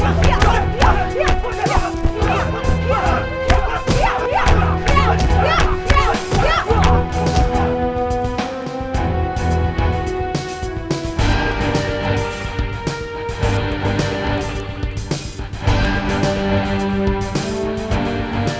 kalian ikut rafael jangan jauh jauh